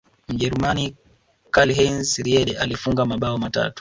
mjerumani karlheinz riedle alifunga mabao matatu